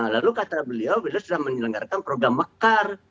lalu kata beliau beliau sudah menyelenggarakan program mekar